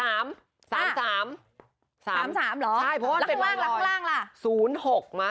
ลักข้างล่างล่ะ๐๖มา